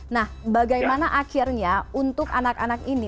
nah bagaimana akhirnya untuk anak anak ini